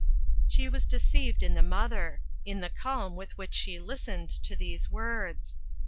She was deceived in the mother in the calm with which she listened to these words.